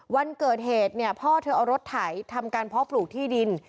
วันเกิดเหตุเนี่ยพ่อเธอเอารถไถทำการเพาะปลูกที่ดิน